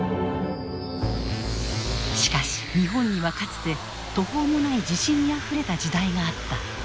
しかし日本にはかつて途方もない自信にあふれた時代があった。